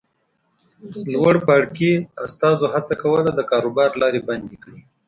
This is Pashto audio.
لوړپاړکي استازو هڅه کوله د کاروبار لارې بندې کړي.